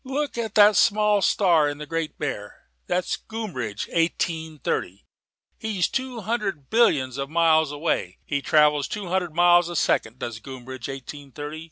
"Look at that small star in the Great Bear: that's Groombridge Eighteen thirty. He's two hundred billions of miles away. He travels two hundred miles a second, does Groombridge Eighteen thirty.